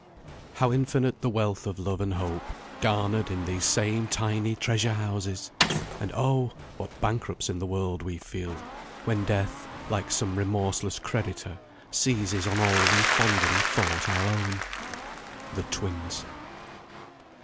"How infinite the wealth of love and hope Garnered in these same tiny treasure houses! And oh! what bankrupts in the world we feel, When Death, like some remorseless creditor, Seizes on all we fondly thought our own!" "THE TWINS."